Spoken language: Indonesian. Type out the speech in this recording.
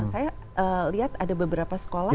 saya lihat ada beberapa sekolah